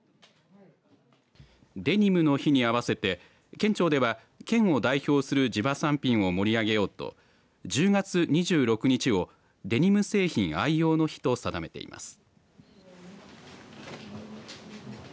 デニムの日に合わせて県庁では県を代表する地場産品を盛り上げようと１０月２６日をデニム製品愛用の日と定めています。